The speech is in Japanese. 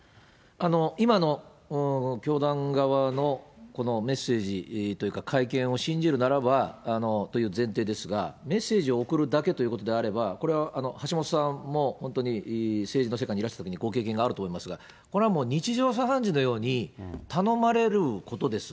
今の教団側のこのメッセージというか、会見を信じるならばという前提ですが、メッセージを送るだけということであれば、これは橋下さんも本当に政治の世界にいらしたときにご経験があると思いますが、これはもう日常茶飯事のように頼まれることです。